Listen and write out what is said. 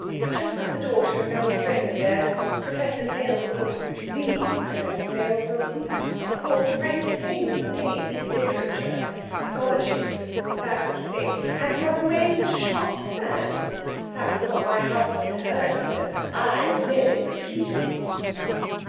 Just that the daughter of an old friend of theirs, Professor Sales Wilson the Professor Sales Wilson of course, quite a famous name in literature scholarship that sort of thing had run away with a shopman! That was what my husband heard, you know. I merely repeated it."